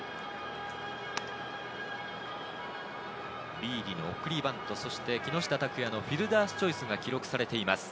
ビーディの送りバント、そして木下拓哉のフィルダースチョイスが記録されています。